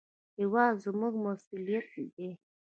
هېواد زموږ مسوولیت دی